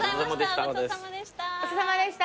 ごちそうさまでした。